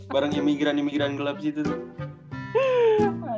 bareng emigran emigran gelap sih itu tuh